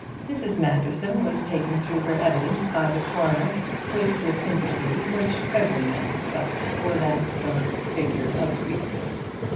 Mrs. Manderson was taken through her evidence by the coroner with the sympathy which every man felt for that dark figure of grief.